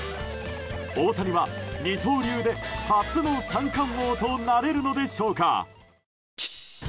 大谷は二刀流で初の三冠王となれるのでしょうか。